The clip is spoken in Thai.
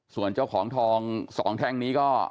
ส่วนเจ้าของทอง๒แท่งนี้ก็